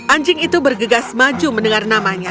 anjing itu bergegas maju mendengar namanya